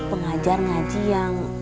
pengajar ngaji yang